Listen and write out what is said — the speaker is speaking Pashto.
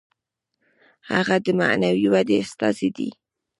هغه د معنوي ودې استازی دی.